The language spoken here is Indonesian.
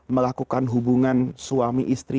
melakukan hubungan suami istri